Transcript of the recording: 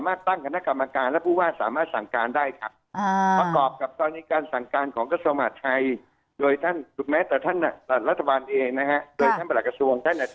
การกันอาจตามกฎหมายควบคุมโลกติดต่อสามารถตั้งคณะกรรมการ